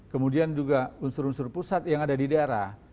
kemudian juga unsur unsur pusat yang ada di daerah